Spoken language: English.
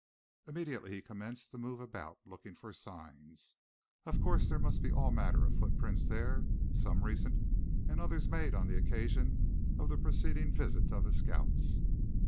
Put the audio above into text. Immediately he commenced to move about, looking for signs. Of course there must be all manner of footprints there, some recent, and others made on the occasion of the preceding visit of the scouts.